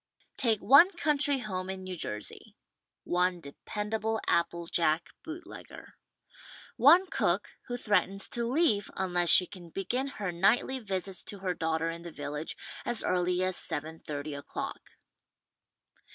'' Take one country home in New Jersey. One dependa ble apple jack bootlegger. One cook who threatens to leave unless she can begin her nightly visits to her daugh ter in the village as early as seven thirty o'clock.